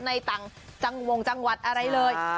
ในต่างจังหวัดอะไรเลย